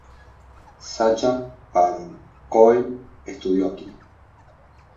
Sacha Baron Cohen estudió aquí.